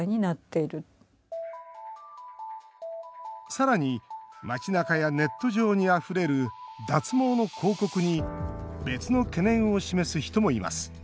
さらに、街なかやネット上にあふれる脱毛の広告に別の懸念を示す人もいます。